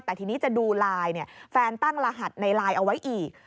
แต่ทีนี้จะดูไลน์แฟนตั้งรหัสในไลน์เอาไว้อีก